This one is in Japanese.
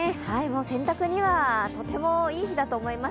洗濯にはとてもいい日だと思います。